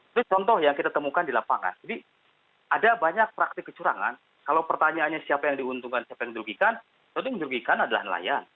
itu contoh yang kita temukan di lapangan jadi ada banyak praktik kecurangan kalau pertanyaannya siapa yang diuntungkan siapa yang dirugikan tentu yang dirugikan adalah nelayan